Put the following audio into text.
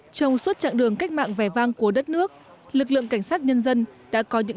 trong suốt chặng đường cách mạng vẻ vang của đất nước lực lượng cảnh sát nhân dân đã có những